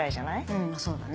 うんそうだね。